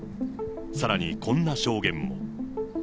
さらにこんな証言も。